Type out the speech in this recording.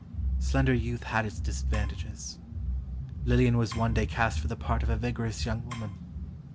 Slender youth had its disadvantages. Lillian was one day cast for the part of a vigorous young woman.